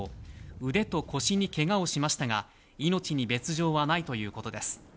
腕と腰にけがをしましたが、命に別状はないということです。